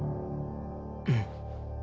うん。